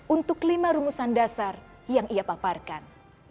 untuk lima rumusan dasar yang ia paparkan